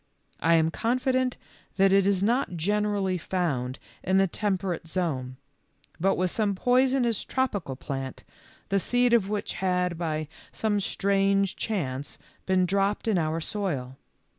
I am confident that it is not generally found in the temperate zone, but was some poisonous tropical plant, the seed of which had, by some strange chance, been dropped in our soil.